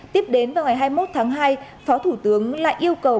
tiếp đến vào ngày hai mươi một tháng hai phó thủ tướng lại yêu cầu